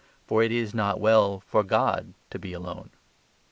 For it is not well for God to be alone.